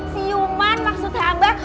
siuman maksud hamba